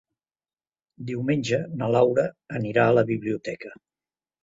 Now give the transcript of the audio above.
Diumenge na Laura anirà a la biblioteca.